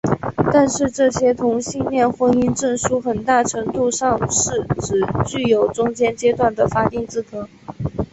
但是这些同性恋婚姻证书很大程度上是只具有中间阶段的法定资格。